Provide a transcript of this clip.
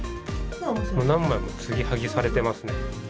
何枚も継ぎはぎされてますね。